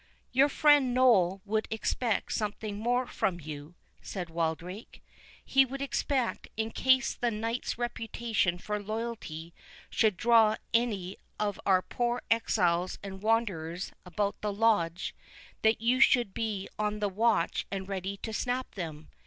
"Your friend Noll would expect something more from you," said Wildrake; "he would expect, in case the knight's reputation for loyalty should draw any of our poor exiles and wanderers about the Lodge, that you should be on the watch and ready to snap them.